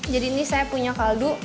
jadi ini saya punya kaldu